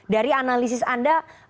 dari analisis anda